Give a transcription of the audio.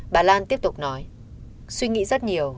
bà lan tiếp tục nói suy nghĩ rất nhiều